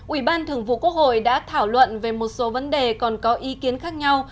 ủy ban thường vụ quốc hội đã thảo luận về một số vấn đề còn có ý kiến khác nhau